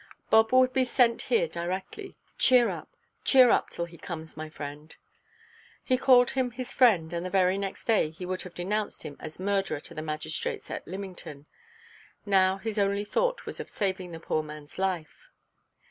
"Bob will be here directly. Cheer up, cheer up, till he comes, my friend." He called him his friend, and the very next day he would have denounced him as murderer to the magistrates at Lymington. Now his only thought was of saving the poor manʼs life.